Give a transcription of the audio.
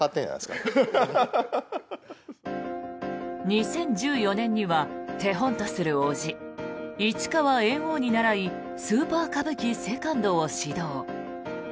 ２０１４年には手本とする伯父・市川猿翁に倣いスーパー歌舞伎セカンドを始動。